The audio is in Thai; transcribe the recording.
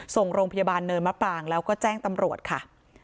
ส่งโรงพยาบาลเนินมะปรางแล้วก็แจ้งตำรวจค่ะ